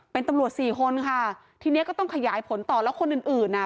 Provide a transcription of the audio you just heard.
เป็นตำรวจสี่คนค่ะทีเนี้ยก็ต้องขยายผลต่อแล้วคนอื่นอื่นอ่ะ